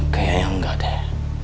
kayaknya yang gak deh